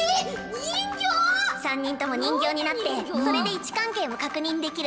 人形⁉３人とも人形になってそれで位置関係も確認できる。